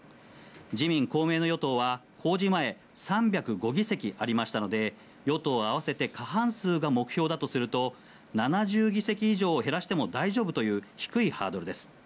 自民、公明の与党は公示前、３０５議席ありましたので、与党は合わせて過半数が目標だとすると、７０議席以上減らしても大丈夫という低いハードルです。